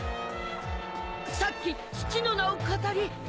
さっき父の名を語り。